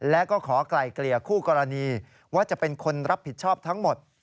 และก็ขอไกลเกลี่ยคู่กรณีว่าจะเป็นคนรับผิดชอบทั้งหมด